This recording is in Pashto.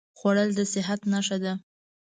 خوړل د صحت نښه ده